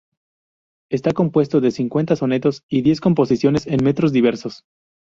Está compuesto de cincuenta sonetos y diez composiciones en metros diversos.